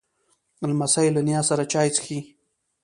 لمسی له نیا سره چای څښي.